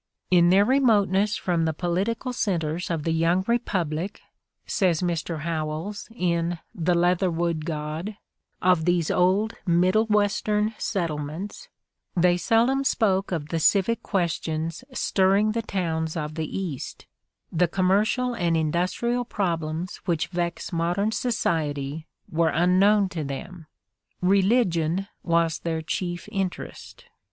'' In their remoteness from the political centers of the young Republic," says Mr. Howells, in "The Leatherwood God," of these old Mid dle "Western settlements, "they seldom spoke of the civic questions stirring the towns of the Bast ; the commercial and industrial problems which vex modern society were unknown to them. Religion was their chief interest."